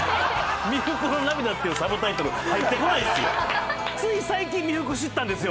「三福の涙」っていうサブタイトル入ってこないっすよんですよ